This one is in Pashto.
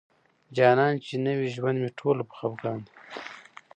جانان چې نوي ژوند مي ټوله په خفګان دی